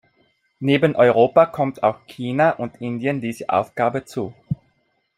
Neben Europa kommt auch China und Indien diese Aufgabe zu.